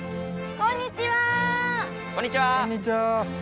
こんにちは。